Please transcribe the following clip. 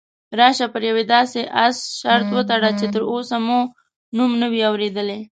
راشه پر یوه داسې اس شرط وتړو چې تراوسه مو نوم نه وي اورېدلی.